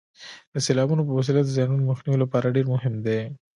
د سیلابونو په وسیله د زیانونو مخنیوي لپاره ډېر مهم دي.